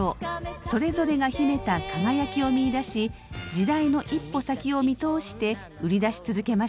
それぞれが秘めた輝きを見いだし時代の一歩先を見通して売り出し続けました。